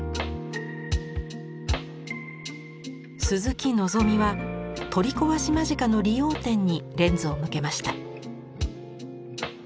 鈴木のぞみは取り壊し間近の理容店にレンズを向けました。